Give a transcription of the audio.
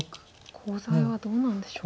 コウ材はどうなんでしょう。